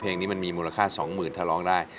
เพลงนี้มันมีมูลค่า๒๐๐๐ถ้าร้องได้